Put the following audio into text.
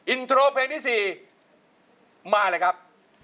อินโทรเพลงที่๔มาเลยครับ